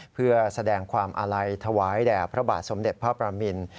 เพื่อแสดงความอาลัยถวายแด่พระบาทสมเด็จพระประมิน